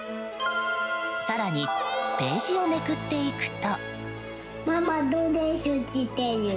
更に、ページをめくっていくと。